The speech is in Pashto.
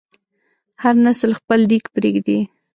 هر نسل خپل لیک پرېږدي.